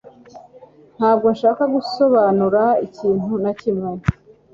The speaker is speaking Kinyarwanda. Ntabwo nshaka gusobanura ikintu na kimwe